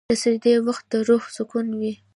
د سجدې وخت د روح سکون وي.